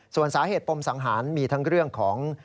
ส่วนสาเหตุปมสังหารมีทั้งเรื่องของ